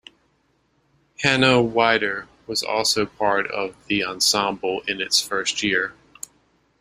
Hanne Wieder was also part of the ensemble in its first year.